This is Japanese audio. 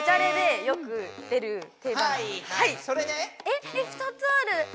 えっえっ２つある。